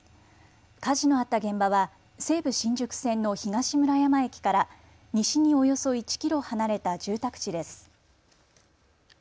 火事のあった現場は西武新宿線の東村山駅から西におよそ１キロ離れた住宅地です。